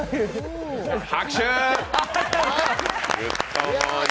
拍手！